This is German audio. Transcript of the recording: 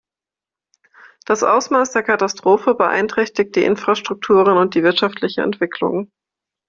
Das Ausmaß der Katastrophe beeinträchtigt die Infrastrukturen und die wirtschaftliche Entwicklung.